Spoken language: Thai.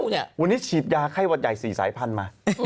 วันนี้ฉีดยาไข้หวัดใหญ่๔สายพันธุ์มา